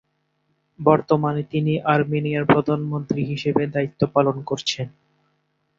বর্তমানে তিনি আর্মেনিয়ার প্রধানমন্ত্রী হিসেবে দায়িত্ব পালন করছেন।